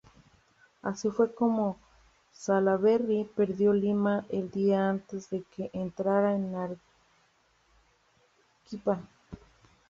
Así fue como Salaverry perdió Lima el día antes de que entrara en Arequipa.